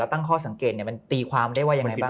ตั้งข้อสังเกตมันตีความได้ว่ายังไงบ้าง